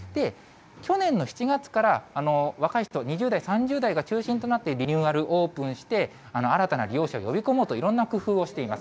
去年の７月から、若い人、２０代、３０代が中心となって、リニューアルオープンして、新たな利用者を呼び込もうといろんな工夫をしています。